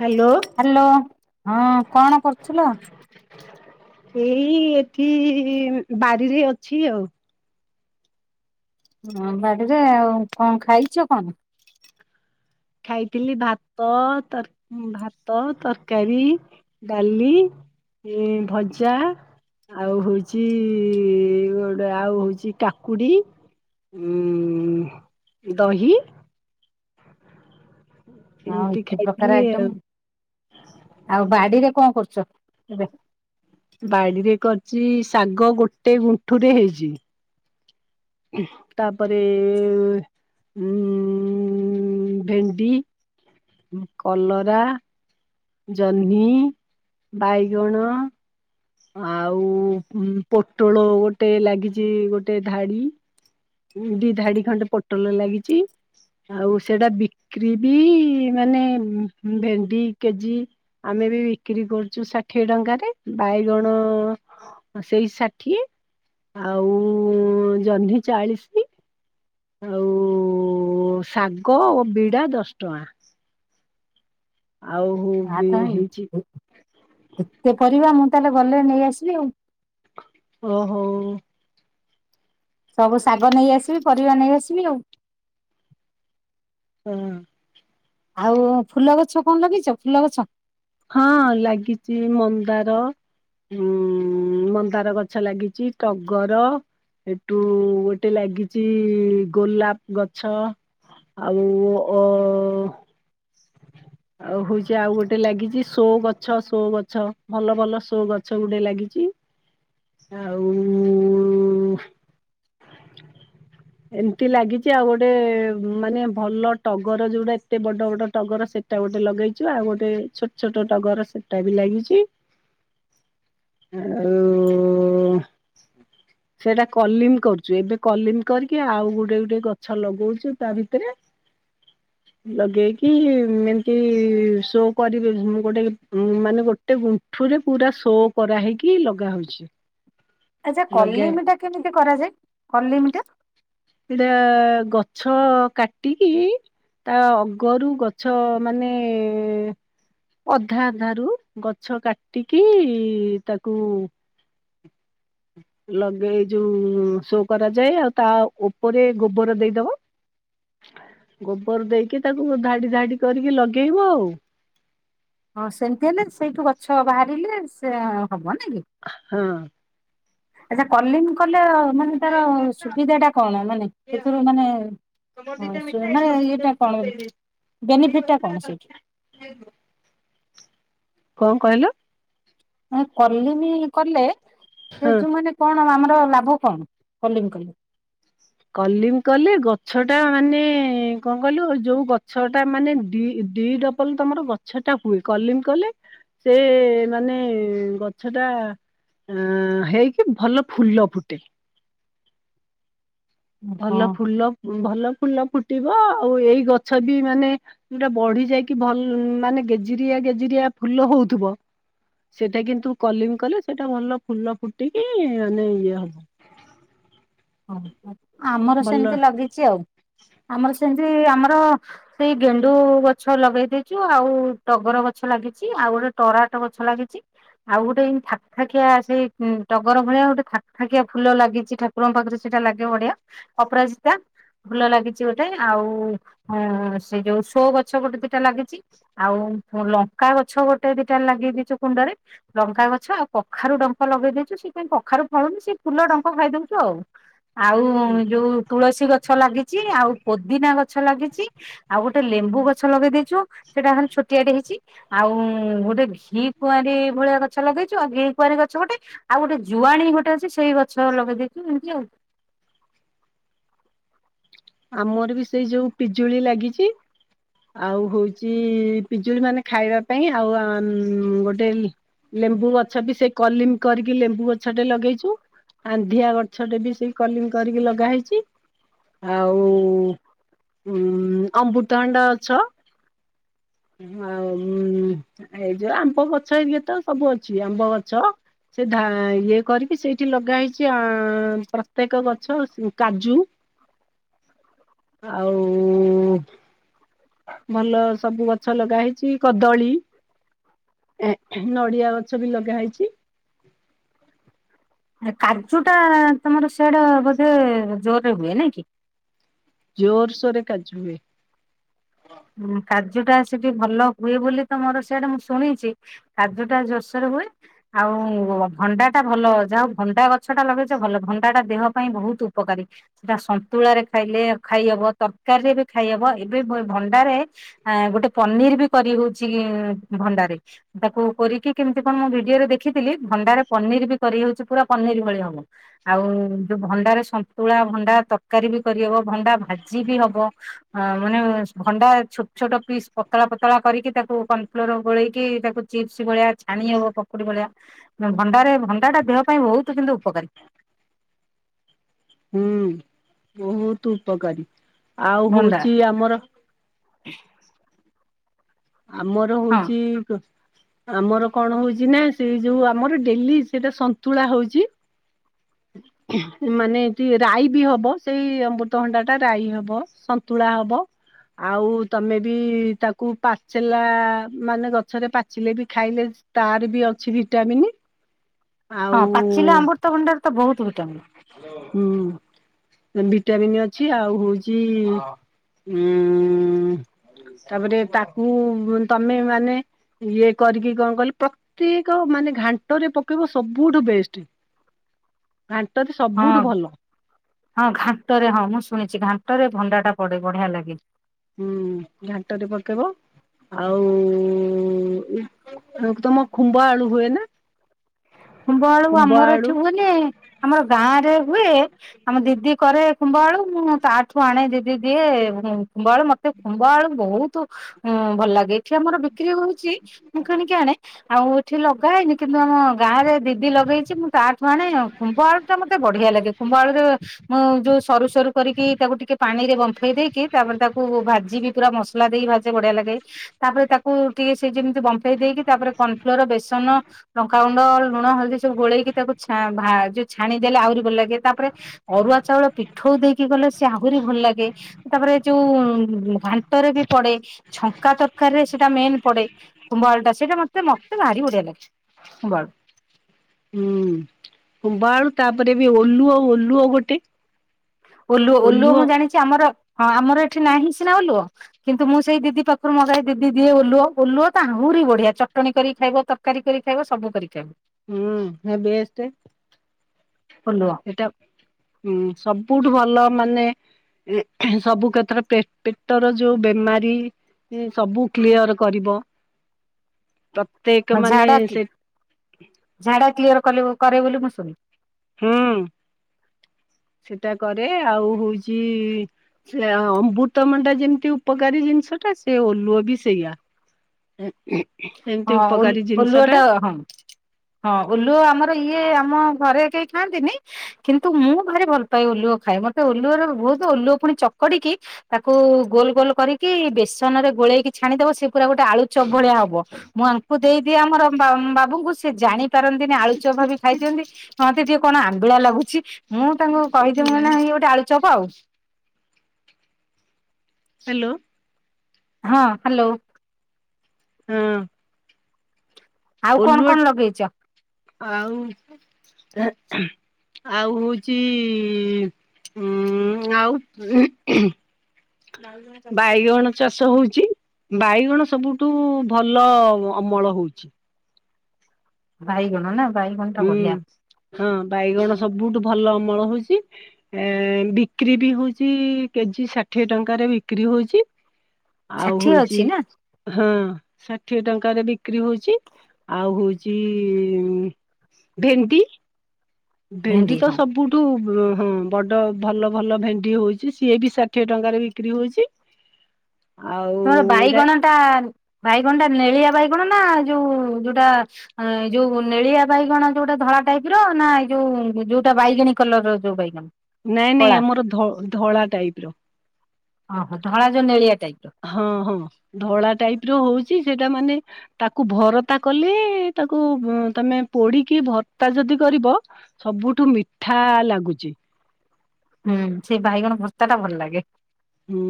Hello. Hello ହଁ କଣ କରୁଥିଲ? ଏଇ ଏଠି ବାରିରେ ଅଛି ଆଉ। ହଁ ବାଡିରେ ଆଉ କଣ ଖାଇଛ କଣ? ଖାଇଥିଲି ଭାତ ତର୍ ଭାତ ତରକାରୀ ଡାଲି। ଏ ଭଜା ଆଉ ହଉଛି ଗୋଟେ ଆଉ ହଉଛି କାକୁଡି। ଉ ଦହି। ଆଉ ଏମିତି ଏତେ ପ୍ରକାର ଖାଇଥିଲି ଆଇଟମ୍। ଆଉ ଆଉ ବାଡିରେ କଣ କରୁଛ ଏବେ? ବାଡିରେ କରିଛି ଶାଗ ଗୋଟେ ଗୁଣ୍ଠୁ ରେ ହେଇଛି। ତାପରେ ଉଁ ଭେଣ୍ଡି କଲରା ଜହ୍ନି ବାଇଗଣ ଆଉ ପୋଟଳ ଗୋଟେ ଲାଗିଛି ଗୋଟେ ଧାଡି। ଦି ଧାଡି ଖଣ୍ଡେ ପୋଟଲ ଲାଗିଛି। ଆଉ ସେଇଟା ବିକ୍ରି ବି ମାନେ ଭେଣ୍ଡି କେଜି ଆମେ ବି ବିକ୍ରି କରୁଛୁ ଷାଠିଏ ଟଙ୍କାରେ ବାଇଗଣ ସେଇ ଷାଠିଏ ଆଉ ଜହ୍ନି ଚାଳିଶ। ଆଉ ଶାଗ ଓ ବିଡା ଦଶ ଟଙ୍କା। ଆଉ ଆ ହେଇଛି ତାହାଲେ। ଏତେ ପରିବା ମୁଁ ତାହେଲେ ଗଲେ ନେଇ ଆସିବି ଆଉ। ଓ ହୋଉ। ସବୁ ଶାଗ ନେଇ ଆସିବି ପରିବା ନେଇଆସିବି ଆଉ। ହଁ। ଆଉ ଫୁଲ ଗଛ କଣ ଲଗେଇଛ ଫୁଲ ଗଛ? ହଁ ଲାଗିଛି ମନ୍ଦାର। ଉଁ ମନ୍ଦାର ଗଛ ଲାଗିଛି ଟଗର। ଏଠୁ ଗୋଟେ ଲାଗିଛି ଗୋଲାପ ଗଛ। ଆଉ ଅ ଆଉ ହଉଛି ଆଉ ଗୋଟେ ଲାଗିଛି ସୋ ଗଛ ସୋ ଗଛ ଭଲ ଭଲ ସୋ ଗଛ ଗୁଡେ ଲାଗିଛି। ଆଉ ଏମତି ଲାଗିଛି ଆଉ ଗୋଟେ ମାନେ ଭଲ ଟଗର ଯୋଉଟା ଏତେ ବଡ ବଡ ଟଗର ସେ ସେଟା ଗୋଟେ ଲଗେଇଛୁ ଆଉ ଗୋଟେ ଛୋଟ ଛୋଟ ଟଗର ସେଟା ବି ଲାଗିଛି। ଆଉ ସେଇଟା କଲିମ କରୁଛୁ ଏବେ କଲିମ କରିକି ଆଉ ଗୋଟେ ଗୋଟେ ଗଛ ଲଗଉଛୁ ତା ଭିତରେ। ଲଗେଇକି ଏମିତି ଶୋ କରି ଗୋଟେ ଉ ମାନେ ଗୋଟେ ଗୁଣ୍ଠୁରେ ପୁରା ସୋ କରାହେଇକି ଲଗା ହଉଛି। ହଁ ଆଚ୍ଛା କଲିମିଟା କେମିତି କରାଯାଏ କଲିମିଟା? ଏଟା ଗଛ କାଟିକି ତା ଅଗରୁ ଗଛ ମାନେ ଅଧା ଅଧାରୁ ଗଛ କାଟିକି ତାକୁ ଲଗେଇ ଯୋଉ ସୋ କରାଯାଏ ଆଉ ତା ଉପରେ ଗୋବର ଦେଇଦବ। ଗୋବର ଦେଇକି ତାକୁ ଧାଡି ଧାଡି କରିକି ଲଗେଇବ ଆଉ। ହଁ ସେମିତି ହେଲେ ସେଇଠୁ ଗଛ ବାହାରିଲେ ସେ ହବ ନାଇଁ କି? ହଁ। ଆଚ୍ଛା କଲିମ କଲେ ମାନେ ତାର ସୁବିଧା ଟା କଣ? ମାନେ ସେଥିରୁ ମାନେ ହଁ ମାନେ ଏଇଟା କଣ ବେନିଫିଟ ଟା କଣ ସେଇଠି? କଣ କହିଲ? କଲିମି କଲେ ହଁ ସେ ଯୋଉ ମାନେ କଣ ଆମର ଲାଭ କଣ କଲିମ କଲେ? କଲିମ କଲେ ଗଛଟା ମାନେ କଣ କହିଲୁ ଯୋଉ ଗଛ ଟା ମାନେ ଦି ଦିଡ କଲେ ତମର ଗଛଟା ହୁଏ କଲିମ କଲେ। ସେ ମାନେ ଗଛଟା ଅ ହେଇକି ଭଲ ଫୁଲ ଫୁଟେ। ହଁ ଭଲ ଫୁଲ ଭଲ ଫୁଲ ଫୁଟିବ। ଆଉ ଏଇ ଗଛ ବି ମାନେ ଯୋଉଟା ବଢି ଯାଇକି ଭଲ ମାନେ ଗେଜିରିଆ ଗେଜିରିଆ ଫୁଲ ହଉଥିବ। ସେଇଟା କିନ୍ତୁ କଲିମ କଲେ ସେଇଟା ଭଲ ଫୁଲ ଫୁଟିକି ମାନେ ଇଏ ହବ। ହଉ ଆମର ଭଲ ସେମିତି ଲଗିଛି ଆଉ। ଆମର ସେମିତି ଆମର ସେଇ ଗେଣ୍ଡୁ ଗଛ ଲଗେଇ ଦେଇଛୁ। ଆଉ ଟଗର ଗଛ ଲାଗିଛି। ଆଉ ଗୋଟେ ଟରାଟ ଗଛ ଲାଗିଛି। ଆଉ ଗୋଟେ ଏଇ ଥାକ୍ ଥାକିଆ ସେଇ ଟଗର ଭଳିଆ ଗୋଟେ ଥାକ ଥାକିଆ ଫୁଲ ଲାଗିଛି ଠାକୁରଙ୍କ ପାଖରେ। ସେଟା ଲାଗେ ବଢ଼ିଆ। ଅପରାଜିତା। ଫୁଲ ଲାଗିଛି ଗୋଟେ ଆଉ ସେ ଯୋଉ ସୋ ଗଛ ଗୋଟେ ଦିଟା ଲାଗିଛି। ଆଉ ଲଙ୍କା ଗଛ ଗୋଟେ ଦିଟା ଲାଗେଇ ଦେଇଛୁ କୁଣ୍ଡରେ। ଲଙ୍କା ଗଛ ଆଉ କଖାରୁ ଡଙ୍କ ଲଗେଇ ଦେଇଛୁ। ସେ କାଇଁ କଖାରୁ ଫଳୁନି ସେ ଫୁଲ ଡଙ୍କ ଖାଇ ଦଉଛୁ ଆଉ। ଆଉ ଯୋଉ ତୁଳସୀ ଗଛ ଲାଗିଛି। ଆଉ ପୋଦିନା ଗଛ ଲାଗିଛି। ଆଉ ଗୋଟେ ଲେମ୍ବୁ ଗଛ ଲଗେଇ ଦେଇ ଛୁ ସେଇଟା ଖାଲି ଛୋଟିଆଟେ ହେଇଛି। ଆଉ ଗୋଟେ ଘି କୁଆଁରୀ ଭଳିଆ ଗଛ ଲଗେଇଛୁ ଆଉ ଘି କୁଆଁରୀ ଗଛ ଗୋଟେ। ଆଉ ଗୋଟେ ଜୁଆଣୀ ଗୋଟେ ଅଛି। ସେଇ ଗଛ ଲଗେଇ ଦେଇଛୁ ଏମିତି ଆଉ। ଆମର ବି ସେଇ ଯୋଉ ପିଜୁଳି ଲାଗିଛି। ଆଉ ହଉଛି ପିଜୁଳି ମାନେ ଖାଇବା ପାଇଁ। ଆଉ ଆଁ ଗୋଟେ ଲେମ୍ବୁ ଗଛ ବି ସେଇ କଲିମ୍ କରିକି ଲେମ୍ବୁ ଗଛଟେ ଲଗେଇଛୁ। ଆନ୍ଧିଆ ଗଛଟେ ବି ସେଇ କଲିମି କରିକି ଲଗା ହେଇଛି। ଆଉ ଉ ଅମୃତହାଣ୍ଡା ଅଛ। ଆଉଁ ଏଇ ଯୋଉ ଆମ୍ବ ଗଛ ଇଏତ ସବୁ ଅଛି ଆମ୍ବ ଗଛ। ସେ ଢା ଇଏ କରିକି ସେଇଠି ଲଗା ହେଇଛି ପ୍ରତ୍ୟେକ ଗଛ କାଜୁ। ଆଉ ହୁଁ। ଭଲ ସବୁ ଗଛ ଲଗା ହେଇଛି କଦଳୀ। ଏ ନଡ଼ିଆ ଗଛ ବି ଲଗା ହେଇଛି। ଆ କାଜୁଟା ତମର ସେଆଡେ ବୋଧେ ଜୋରରେ ହୁଏ ନାଇଁ କି। ଜୋର ଶୋରେ କାଜୁ ହୁଏ। ହୁଁ କାର୍ଯ୍ୟଟା ସେଠି ଭଲ ହୁଏ ବୋଲି ତମର ସିଆଡେ ମୁଁ ଶୁଣିଛି। ଖାଦ୍ୟ ଟା ଜୋର ସୋରେ ହୁଏ। ଆଉ ଭଣ୍ଡା ଟା ଭଲ ଯାହା ଭଣ୍ଡା ଗଛ ଟା ଲଗେଇଛ ଭଲ। ଭଣ୍ଡାଟା ଦେହ ପାଇଁ ବହୁତ ଉପକାରୀ। ସେଟା ସନ୍ତୁଳାରେ ଖାଇଲେ ଖାଇହବ। ତରକାରୀରେ ବି ଖାଇହବ। ଏବେ ଭଣ୍ଡାରେ ଆଁ ଗୋଟେ ପନିର୍ ବି କରି ହଉଚି ଭଣ୍ଡାରେ। ତାକୁ କୋରିକି କେମ୍ତି କଣ ମୁଁ ଭିଡିଓରେ ଦେଖିଥିଲି ଭଣ୍ଡାରେ ପନିର୍ ବି କରିହଉଚି ପୁରା ପନିର୍ ଭଳି ହବ। ଆଉ ଯୋଉ ଭଣ୍ଡାରେ ସନ୍ତୁଳା ଭଣ୍ଡା ତରକାରୀ ବି କରିହବ ଭଣ୍ଡା ଭାଜି ବି ହବ। ହଁ ମାନେ [unintelligible] ଭଣ୍ଡା ଛୋଟ-ଛୋଟ ପିସ୍ ପତଳା-ପତଳା କରିକି ତାକୁ କର୍ଣ୍ଣଫ୍ଲୋର୍ ଗୋଳେଇକି ତାକୁ ଚିପ୍ସ ଭଳିଆ ଛାଣି ହବ ପକୁଡ଼ି ଭଳିଆ, ଭଣ୍ଡାରେ ଭଣ୍ଡାଟା ଦେହ ପାଇଁ ବହୁତ୍ କିନ୍ତୁ ଉପକାରୀ। ହୁଁ ବହୁତ୍ ଉପକାରୀ, ଆଉ ଭଣ୍ଡା ହଉଚି ଆମର ଆମର ହଁ ହଉଚି ଆମର କଣ ହଉଚି ନା ସେ ଯୋଉ ଆମର ଡେଲି ସେଟା ସନ୍ତୁଳା ହଉଚି। ହଁ ମାନେ ଏଠି ରାଇ ବି ହବ ସେଇ ଅମୃତଭଣ୍ଡା ଟା ରାଇ ହବ ସନ୍ତୁଳା ହବ ଆଉ ତମେ ବି ତାକୁ ପା ଚେଲା ମାନେ ଗଛରେ ପାଚିଲେ ବି ଖାଇଲେ ତାର ବି ଅଛି ଭିଟାମିିନି। ହଁ ପାଚିଲା ଅମୃତଭଣ୍ଡାରେ ତ ବହୁତ୍ ଭିଟାମିନ୍। ହୁଁ। ଭିଟାମିନ୍ ଅଛି, ଆଉ ହଉଚି ଉଁ ତାପରେ ତାକୁ ତମେ ମାନେ ଇଏ କରିକି କଣ କଇଲେ ପ୍ରତ୍ୟେକ ମାନେ ଘାଣ୍ଟ ରେ ପକେଇବ ସବୁଠୁ ବେଷ୍ଟ। ଘାଣ୍ଟରେ ହଁ ସବୁଠୁ ଭଲ। ହଁ ଘାଣ୍ଟରେ ହଁ ମୁଁ ଶୁଣିଚି ଘାଣ୍ଟରେ ଭଣ୍ଡାଟା ପଡେ ବଢିଆ ଲାଗେ। ହୁଁ ଘାଣ୍ଟରେ ପକେଇବ। ଆଉ ତମ ଖୁମ୍ବ ଆଳୁ ହୁଏ ନା? ଖୁମ୍ଭ ଆଳୁ ଖୁମ୍ବ ଆମର ଆଳୁ ଏଠି ହୁଏନି, ଆମର ଗାଁ ରେ ହୁଏ ଆମ ଦିଦି କରେ ଖୁମ୍ଭ ଆଳୁ ମୁଁ ତାଠୁ ଆଣେ ଦିଦି ଦିଏ, ଖୁମ୍ଭ ଆଳୁ ମତେ ଖୁମ୍ଭ ଆଳୁ ବହୁତୁ ଉଁ ଭଲ୍ ଲାଗେ, ଏଠି ଆମର ବିକ୍ରି ହଉଚି ମୁଁ କିଣିକି ଆଣେ ଆଉ ଏଠି ଲଗାହେଇନି କିନ୍ତୁ ଆମ ଗାଁରେ ଦିଦି ଲଗେଇଚି, ମୁଁ ତାଠୁ ଆଣେ, ଖୁମ୍ଭ ଆଳୁଟା ମତେ ବଢିଆ ଲାଗେ ଖୁମ୍ଭ ଆଳୁରେ ମୁଁ ଯୋଉ ସରୁ-ସରୁ କରିକି ତାକୁ ଟିକେ ପାଣିରେ ବମ୍ଫେଇ ଦେଇକି ତାପରେ ତାକୁ ଭାଜିବି ପୁରା ମସଲା ଦେଇ ଭାଜେ ବଢିଆ ଲାଗେ। ତାପରେ ତାକୁ ଟିକେ ସେ ଯେମ୍ତି ବମ୍ଫେଇ ଦେଇକି ତାପରେ କର୍ଣଫ୍ଲୋର୍, ବେସନ, ଲଙ୍କାଗୁ ଣ୍ଡ ଲୁଣ ହଳଦୀ ସବୁ ଗୋଳେଇକି ତାକୁ ଛା ଭା ଯୋଉ ଛାଣିଦେଲେ ଆହୁରି ଭଲ୍ ଲାଗେ, ତାପରେ ଅରୁଆ ଚାଉଳ ପିଠୋଉ ଦେଇକି କଲେ ସେ ଆହୁରି ଭଲ ଲାଗେ। ତାପରେ ଏଯୋଉ ଘାଣ୍ଟରେ ବି ପଡେ। ଛଙ୍କା ତରକାରୀରେ ସେଇଟା ମେନ୍ ପଡେ ଖୁମ୍ବ ଆଳୁଟା, ସେଇଟା ମତେ-ମତେ ଭାରି ବଢିଆ ଲାଗେ ଖୁମ୍ବ ଆଳୁ। ହୁଁ। ଖୁମ୍ବଆଳୁ ତାପରେ ବି ଓଲୁଅ-ଓଲୁଅ ଗୋଟେ। ଓଲୁଅ-ଓଲୁଅ ଓଲୁଅ ମୁଁ ଜାଣିଚି ଆମର ହଁ ଆମର ଏଠି ନାହିଁ ସିନା ଓଲୁଅ। କିନ୍ତୁ ମୁଁ ସେଇ ଦିଦି ପାଖରୁ ମଗାଏ ଦିଦି ଦିଏ ଓଲୁଅ, ଓଲୁଅ ତ ଆହୁରି ବଢିଆ ଚଟଣି କରିକି ଖାଇବ ତ ତରକାରି କରି ଖାଇବ ସବୁ କରି ଖାଇବ। ହୁଁ [unintelligible] ବେଷ୍ଟ। ଓଲୁଆ। ସେଇଟା ସବୁଠୁ ଭଲ ମାନେ ସବୁ କ୍ଷେତ୍ରରେ ପେ ପେଟର ଯୋଉ ବେମାରୀ ସବୁ କ୍ଲିୟର କରିବ, ପ୍ରତ୍ୟେକ୍ ମାନେ ସେ ଝାଡ଼ା କ୍ଲିୟର କଲିବ କରେ ବୋଲି ମୁଁ ଶୁଣି ହେଁ ସେଟା କରେ ଆଉ ହୋଉଚି ସେ ଅମ୍ବୃତ ମଣ୍ଡା ଯେମିତି ଉପକାରୀ ଜିନିଷଟା ସେ ଓଲୁଅ ବି ସେଇଆ। ଏ ହଁ ଓଲ୍ ଓଲୁଆଟା ହଁ। ହଁ ଓଲୁଅ ଆମର ଇଏ ଆମ ଘରେ କେହି ଖାଆନ୍ତିନି। କିନ୍ତୁ ମୁଁ ଭାରି ଭଲ ପାାଏ ଓଲୁଅ ଖାଏ। ମତେ ଓଲୁଅର ଭୋଉତୁ ଓଲୁଅ ପୁଣି ଚକଡି଼କି ତାକୁ ଗୋଲ ଗୋଲ କରିକି ବେସନରେ ଗୋଳେଇକି ଛାଣିଦବ ସେ ପୁରା ଗୋଟେ ଆ ଳୁ ଚ ଭଳିଆ ହବ। ମୁଁ ଆଙ୍କୁ ଦେଇଦିଏ ଆମର ବା ବାବୁଙ୍କୁ ସିଏ ଜାଣି ପାରନ୍ତିନି ଆଳୁ ଚପ୍ ଭାବି ଖାଇଦିଅନ୍ତି। କହନ୍ତି ଟିକେ କଣ ଆମ୍ୱିଳା ଲାଗୁଚି ମୁଁ ତାଙ୍କୁ କହିଦିଏ ମୁଁ ହେଲାଣି ନାଁ ଇଏ ଗୋଟେ ଆଳୁ ଚପ ଆଉ। ହ୍ୟାଲୋ। ହଁ ହାଲୋ। ହଁ। ଆଉ କଣ ଓଲୁଅ କଣ ଲଗେଇଚ? ଆଉ ଆଉ ହୋଉଚି ଉଁ ଆଉ ବାଇଗଣ ଚାଷ ହୋଉଚି। ବାଇଗଣ ସବୁଠୁ ଭଲ ଅମଳ ହୋଉଚି। ଭାଇଗଣ, ନାଁ? ହୁଁ ହଁ ବାଇଗଣ ସବୁଠୁ ଭଲ ଅମଳ ହଉଚି। ଏ ବିକ୍ରି ବି ହଉଚି କେ ଜି ଷାଠିଏ ଟଙ୍କାରେ ବିକ୍ରି ହଉଚି। ଆଉ ଷାଠିଏ ହୋଉଚି ଅଛି ନା ହଁ ଷାଠିଏ ଟଙ୍କାରେ ବିକ୍ରି ହୋଉଚି। ଆଉ ହୋଉଚି ଭେଣ୍ଡି ଭେଣ୍ଡି ତ ସବୁ ଠୁ ହଁ ବଡ଼ ଭଲ ଭଲ ଭେଣ୍ଡି ହୋଉଚି, ସିଏ ବି ଷାଠିଏ ଟଙ୍କାରେ ବିକ୍ରି ହୋଉଚି। [unintelligible] ତମର ବାଇଗଣଟା ବାଇଗଣଟା ନେଳିଆ ବାଇଗଣ ନାଁ ଯୋଉ ଯୋଉଟା ହଁ ଏ ଯୋଉ ନେଳିଆ ବାଇଗଣ ଯୋଉଟା ଧଳା ଟାଇପ୍ ର ନାଁ ଏଇ ଯୋଉ ଯୋଉଟା ବାଇଗିଣୀ କଲର୍ ର ଯୋଉ ବାଇଗଣ? ନାଇଁ ନାଇଁ କଳା ଆମର ଧ ଧଳା ଟାଇପ୍ ର। ଅ ହଁ ଧଳା ଯୋଉ ନେଳିଆ ଟାଇପ୍ ର। ହଁ ହଁ ଧଳା ଟାଇପ୍ ର ହୋଉଚି ସେଟା ମାନେ ତାକୁ ଭରତା କଲେ ତାକୁ ତମେ ପୋଡ଼ିକି ଭର୍ତ୍ତା ଯଦି କରିବ ସବୁଠୁ ମିଠା ଲାଗୁଚି। ହୁଁ ସେ ଭାଇଗଣ ଭର୍ତ୍ତାଟା ଭଲ ଲାଗେ। ହୁଁ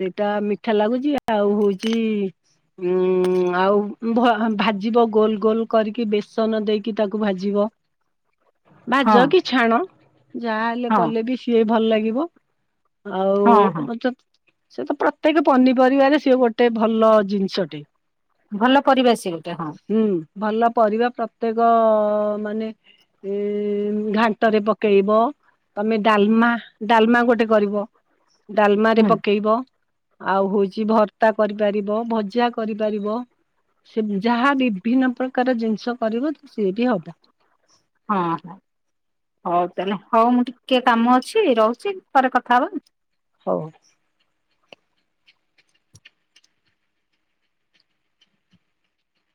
ସେଇଟା ମିଠା ଲାଗୁଚି ଆଉ ହୋଉଚି ଉଁ ଆଉ ଭ ଭାଜିବ ଗୋଲ ଗୋଲ କରିକି ବେସନ ଦେଇକି ତାକୁ ଭାଜିବ। ହଁ। ଭାଜ କି ଛାଣ ଯାହା ହେଲେ ହଁ କଲେ ବି ସିଏ ଭଲ ଲାଗିବ। ଆଉ ହଁ ଓ ହଁ ବାକେ ସେ ତ ପ୍ରତ୍ୟେକ ପନିପରିବାରେ ସିଏ ଗୋଟେ ଭଲ ଜିନିଷଟେ। ଭଲ ପରିବା ସିଏ ଗୋଟେ ହଁ। ହୁଁ ଭଲ ପରିବା ପ୍ରତ୍ୟେକ ମାନେ ଇଁ ଘାଣ୍ଟରେ ପକେଇବ ତମେ ଡାଲମା ଡାଲମା ଗୋଟେ କରିବ ଡାଲମାରେ ହୁଁ ପକେଇବ। ଆଉ ହୋଉଚି ଭର୍ତ୍ତା କରିପାରିବ ଭଜା କରିପାରିବ। ସେ ଯାହା ବିଭିନ୍ନ ପ୍ରକାର ଜିନିଷ କରିବ ତ ସିଏ ବି ହବ। ହଁ ହଉ ତାହେଲେ ହଉ ମୁଁ ଟିକିଏ କାମ ଅଛି ରହୁଚି ପରେ କଥା ହେ ହଉ।